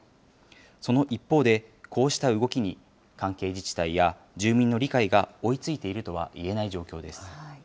その一方で、こうした動きに関係自治体や住民の理解が追いついているとはいえない状況です。